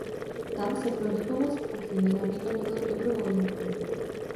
Tam se pro výpomoc v kuchyni nabídlo několik dobrovolníků.